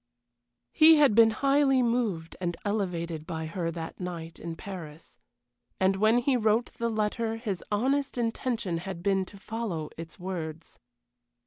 He had been highly moved and elevated by her that night in Paris. And when he wrote the letter his honest intention had been to follow its words.